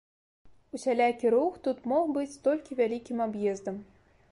Усялякі рух тут мог быць толькі вялікім аб'ездам.